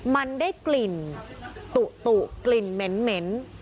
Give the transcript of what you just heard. มันได้กลิ่นตุกลิ่นเหม็น